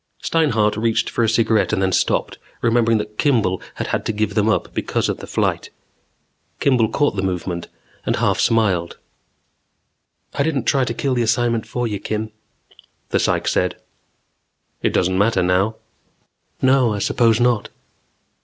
Steinhart reached for a cigaret and then stopped, remembering that Kimball had had to give them up because of the flight. Kimball caught the movement and half smiled. "I didn't try to kill the assignment for you, Kim," the psych said. "It doesn't matter now." "No, I suppose not."